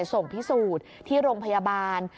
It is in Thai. ส่งพิสูจน์ที่โรงพยาบาล